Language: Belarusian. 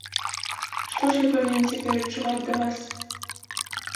Што ж я павінен цяпер адчуваць да вас?